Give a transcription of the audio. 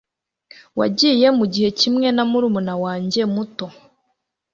wagiye mugihe kimwe na murumuna wanjye muto